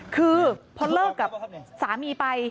คือพอเลิกกับสามีไป